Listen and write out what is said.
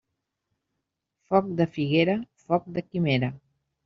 Foc de figuera, foc de quimera.